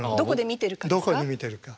どこで見てるかですか？